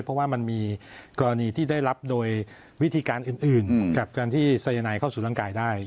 เพราะว่ามันมีกรณีที่ได้รับโดยวิธีการอื่นกับการที่สายนายเข้าสู่ร่างกายได้